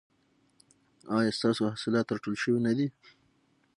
ایا ستاسو حاصلات راټول شوي نه دي؟